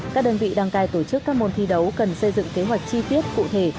các đơn vị đăng cai tổ chức các môn thi đấu cần xây dựng kế hoạch chi tiết cụ thể